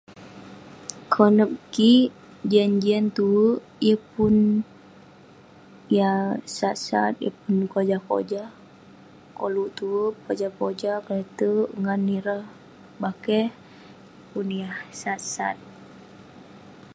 Konep kik jian jian tuwerk, yeng pun yah sat sat, yeng pun kojah kojah. koluk tuwerk pojah pojah, kle'terk ngan ireh bakeh, yeng pun yah sat sat.